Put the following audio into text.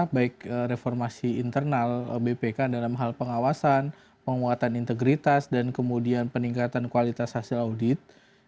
baik reformasi internal bpk dalam hal pengawasan penguatan integritas dan kemudian peningkatan kualitas hasil audit